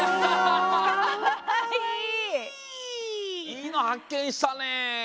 いいのはっけんしたね。